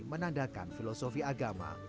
menandakan filosofi agama